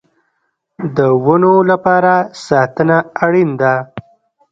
د ونو لپاره ساتنه اړین ده